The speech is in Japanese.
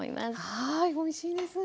はいおいしいです。